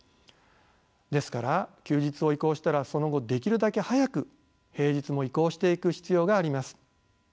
ですから休日を移行したらその後できるだけ早く平日も移行していく必要があります。